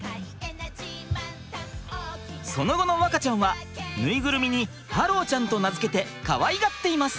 その後の和花ちゃんはぬいぐるみにハローちゃんと名付けてかわいがっています。